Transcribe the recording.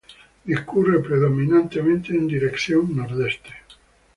Discurre predominantemente en dirección nordeste.